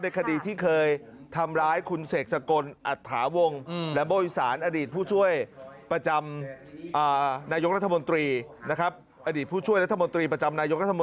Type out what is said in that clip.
ในคดีที่เคยทำร้ายคุณเสกสกลอัฐาวงค์ลัมโบวิสานอดีตผู้ช่วยประจำนายกรัฐมนตรีนะครับ